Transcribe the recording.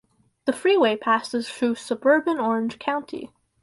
The freeway passes through suburban Orange County.